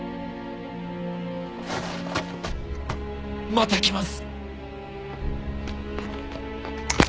また来ます。